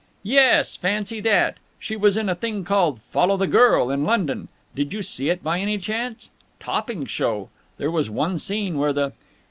"Yes? Fancy that! She was in a thing called 'Follow the Girl' in London. Did you see it by any chance? Topping show! There was one scene where the...."